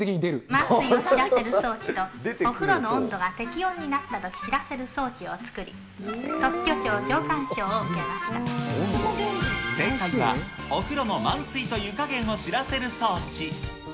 満水を知らせる装置と、お風呂の温度が適温になったと知らせる装置を作り、正解は、お風呂の満水と湯加減を知らせる装置。